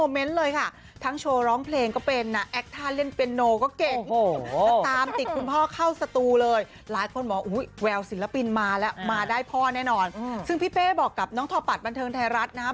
มาแล้วมาได้พ่อแน่นอนอืมซึ่งพี่เป้บอกกับน้องทอปัตรบันเทิงไทยรัฐนะฮะ